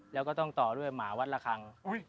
แล้วก็ต้องต่อด้วยหมาวัดละครั้ง